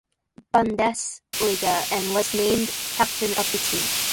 Bundesliga, and was named captain of the team.